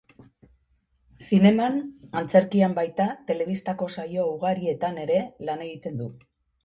Zineman, antzerkian baita telebistako saio ugarietan ere lan egiten du.